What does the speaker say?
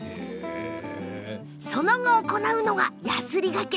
そのあと行うのが、やすりがけ。